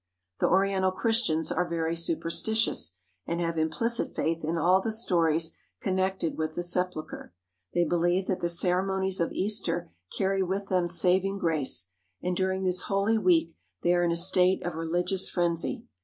The Oriental Christians are very superstitious, and have implicit faith in all the stories connected with the Sepulchre. They believe that the ceremonies of Easter carry with them saving grace, and during this Holy Week they are in a state of religious frenzy.